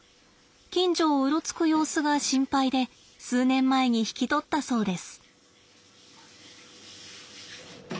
近所をうろつく様子が心配で数年前に引き取ったそうです。